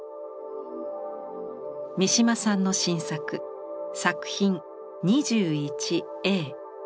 三島さんの新作「作品２１−Ａ」。